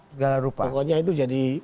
segala rupa pokoknya itu jadi